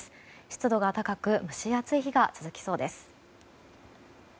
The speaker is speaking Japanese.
湿度が高く蒸し暑い日が続きそうです。